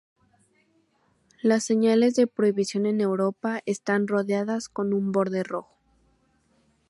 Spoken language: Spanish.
Las señales de prohibición en Europa están rodeadas con un borde rojo.